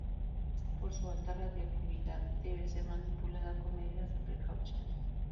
Por su alta radiactividad debe ser manipulada con medidas de precaución.